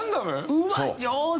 うわっ上手。